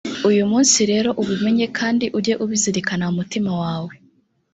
uyu munsi rero ubimenye kandi ujye ubizirikana mu mutima wawe: